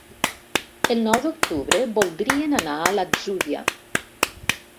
El nou d'octubre voldrien anar a l'Atzúbia.